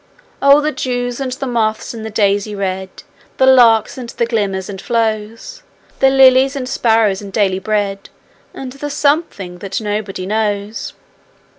Oh, the dews and the moths and the daisy red, The larks and the glimmers and flows! The lilies and sparrows and daily bread, And the something that nobody knows!